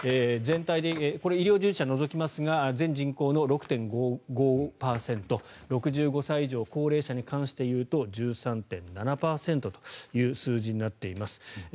全体で医療従事者を除きますが全人口の６．５５％６５歳以上高齢者に関していうと１３．７％という数字になっています。